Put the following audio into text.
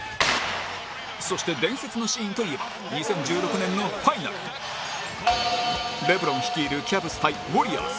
そして伝説のシーンといえば２０１６年のファイナルレブロン率いるキャブス対ウォリアーズ